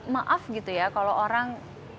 maaf gitu ya kalau orang